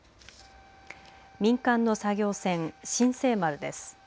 民間の作業船、新世丸です。